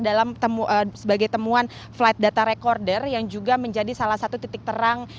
dalam sebagai temuan flight data recorder yang juga menjadi salah satu titik terang